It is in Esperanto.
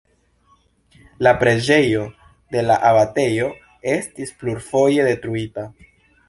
La preĝejo de la abatejo estis plurfoje detruita.